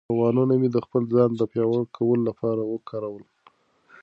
تاوانونه مې د خپل ځان د پیاوړي کولو لپاره وکارول.